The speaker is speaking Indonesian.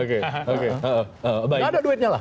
gak ada duitnya lah